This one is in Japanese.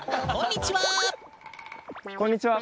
こんにちは！